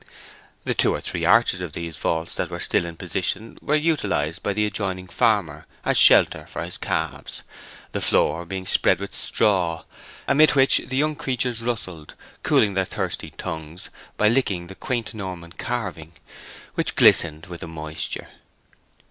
The two or three arches of these vaults that were still in position were utilized by the adjoining farmer as shelter for his calves, the floor being spread with straw, amid which the young creatures rustled, cooling their thirsty tongues by licking the quaint Norman carving, which glistened with the moisture.